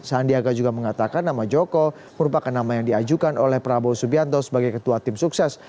sandiaga juga mengatakan nama joko merupakan nama yang diajukan oleh prabowo subianto sebagai ketua tim sukses